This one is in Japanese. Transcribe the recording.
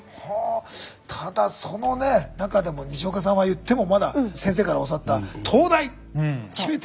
ただそのね中でも西岡さんは言ってもまだ先生から教わった東大って決めて。